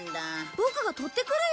ボクが取ってくるよ。